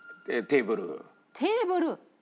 テーブル？